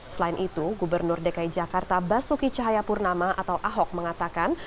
selain itu gubernur dki jakarta basuki cahayapurnama atau ahok mengatakan